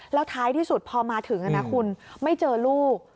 แล้วท้ายที่สุดพอมาถึงนะคุณไม่เจอลูก